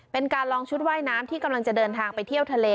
เป็นการลองชุดว่ายน้ำที่กำลังจะเดินทางไปเที่ยวทะเล